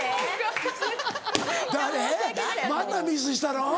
またミスしたの？」